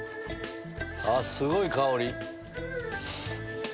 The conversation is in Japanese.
すごい香り！